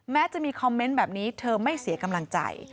จะมีคอมเมนต์แบบนี้เธอไม่เสียกำลังใจ